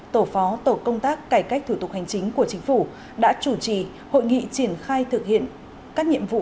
tổ phó tổ công tác cải cách thủ tục hành chính của chính phủ đã chủ trì hội nghị triển khai thực hiện các nhiệm vụ